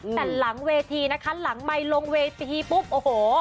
แต่หลังเวทีนะคะหลังไมค์ลงเวทีปุ๊บโอ้โห